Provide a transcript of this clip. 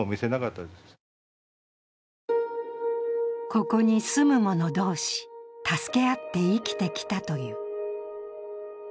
ここに住む者同士、助け合って生きてきたという。